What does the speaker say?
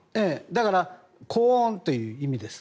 だから高温という意味です。